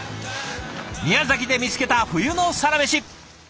宮崎で見つけた冬のサラメシ！